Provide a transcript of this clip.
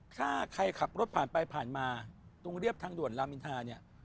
ถ้าใครขับรถผ่านไปผ่านมาตรงเรียบทางด่วนลามินทาเนี่ย